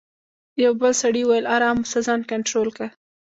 یوه بل سړي وویل: آرام اوسه، ځان کنټرول کړه.